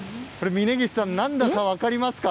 峯岸さん、何だか分かりますか？